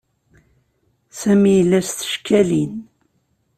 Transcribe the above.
Sami yella s tcekkalin.